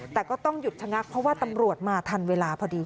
แต่ก็ต้องหยุดชะงักเพราะว่าตำรวจมาทันเวลาพอดี